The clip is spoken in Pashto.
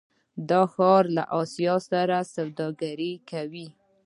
دا ښار له اسیا سره سوداګري کوي.